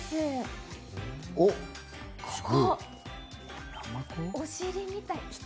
ここ、お尻みたい。